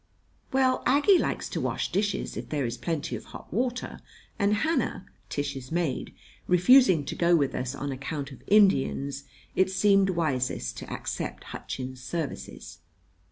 Well, Aggie likes to wash dishes if there is plenty of hot water; and Hannah, Tish's maid, refusing to go with us on account of Indians, it seemed wisest to accept Hutchins's services.